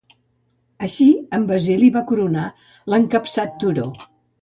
Així, en Basili va coronar l'escapçat turó.